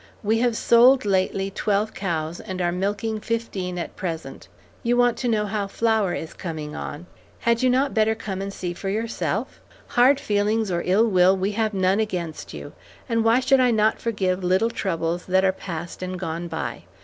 We have sold lately twelve cows, and are milking fifteen at present. You want to know how Flower is coming on: had you not better come and see for yourself? Hard feelings or ill will we have none against you; and why should I not forgive little troubles that are past and gone by?